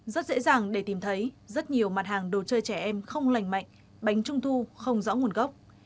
rất dễ dàng để tìm thấy rất nhiều mặt hàng đồ chơi trẻ em không lành mạnh bánh trung thu không rõ nguồn gốc